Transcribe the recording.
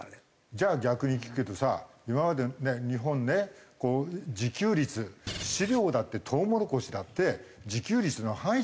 じゃあ逆に聞くけどさ今までね日本ね自給率飼料だってトウモロコシだって自給率の範囲じゃない？